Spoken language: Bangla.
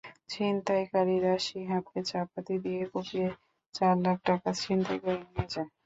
ছিনতাইকারীরা শিহাবকে চাপাতি দিয়ে কুপিয়ে চার লাখ টাকা ছিনতাই করে নিয়ে যায়।